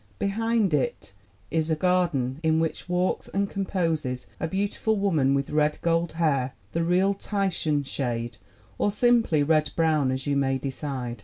Behind it is a garden in which walks and composes a beautiful woman with red gold hair, the real Titian shade or simply red brown, as you may decide.